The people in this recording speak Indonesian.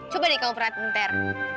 coba deh kamu perhatikan ter